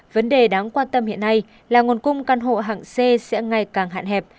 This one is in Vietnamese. vấn đề đáng quan tâm hiện nay là nguồn cung căn hộ hạng c sẽ ngày càng hạn hẹp